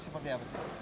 seperti apa sih